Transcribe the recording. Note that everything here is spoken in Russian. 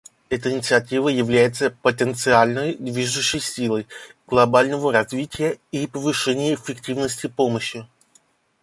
Эта инициатива является потенциальной движущей силой глобального развития и повышения эффективности помощи.